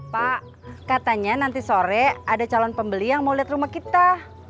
pak katanya nanti sore ada calon pembeli yang mau lihat rumah kita